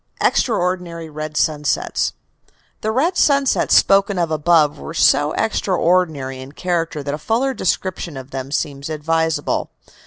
EXTRAORDINARY RED SUNSETS The red sunsets spoken of above were so extraordinary in character that a fuller description of them seems advisable.